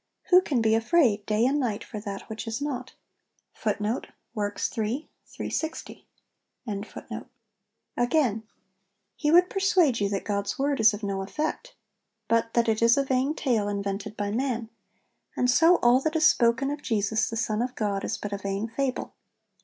Who can be afraid, day and night, for that which is not?' Again 'He would persuade you that God's Word is of no effect, but that it is a vain tale invented by man, and so all that is spoken of Jesus, the Son of God, is but a vain fable....